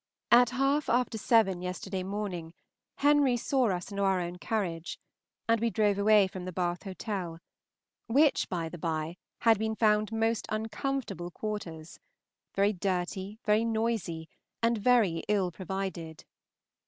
At half after seven yesterday morning Henry saw us into our own carriage, and we drove away from the Bath Hotel; which, by the by, had been found most uncomfortable quarters, very dirty, very noisy, and very ill provided.